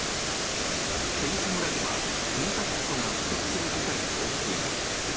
選手村では検査キットが不足する事態も起きている。